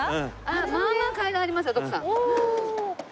まあまあ階段ありますよ徳さん。